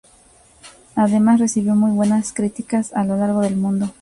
Además, recibió muy buenas críticas a lo largo del mundo.